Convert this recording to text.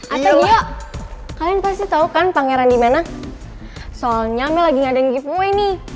ata gio kalian pasti tau kan pangeran di mana soalnya my lagi ngadain giveaway nih